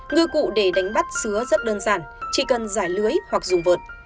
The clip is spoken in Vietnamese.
ngư cụ để đánh bắt sứa rất đơn giản chỉ cần giải lưới hoặc dùng vượt